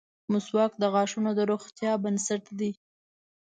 • مسواک د غاښونو د روغتیا بنسټ دی.